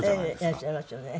いらっしゃいますよね。